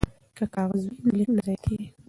که کاغذ وي نو لیک نه ضایع کیږي.